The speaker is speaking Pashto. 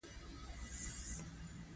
ازادي راډیو د سوله د تحول لړۍ تعقیب کړې.